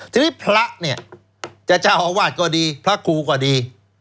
ทีนี้พระเนี่ยจะเจ้าอาวาสก็ดีพระครูก็ดี